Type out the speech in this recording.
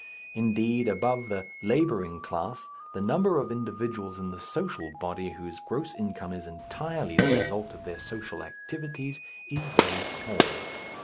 Indeed, above the labouring class, the number of individuals in the social body whose gross income is entirely the result of their social activities is very small.